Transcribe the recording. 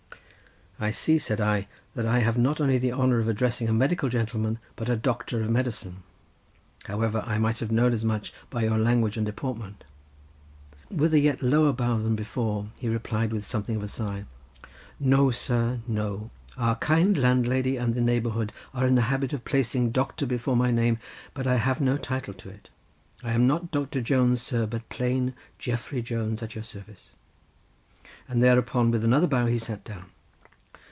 "I see," said I, "that I have not only the honour of addressing a medical gentleman, but a doctor of medicine—however, I might have known as much by your language and deportment." With a yet lower bow than, before he replied, with something of a sigh, "No, sir, no, our kind landlady and the neighbourhood are in the habit of placing doctor before my name, but I have no title to it—I am not Doctor Jones, sir, but plain Geffery Jones at your service," and thereupon with another bow he sat down.